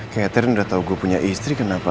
kak catherine udah tau gue punya istri kenapa